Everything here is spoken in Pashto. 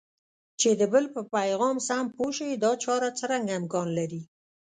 چې د بل په پیغام سم پوه شئ دا چاره څرنګه امکان لري؟